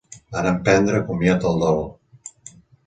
Vàrem prendre comiat del dol